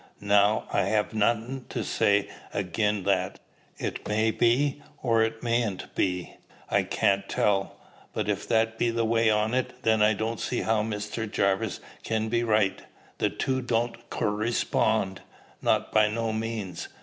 Now, I ha' nothin' to say agin that: it may be, or it mayn't be I can't tell. But if that be the way on it, then I don't see how Mr. Jarvis can be right; the two don't curryspond, not by no means.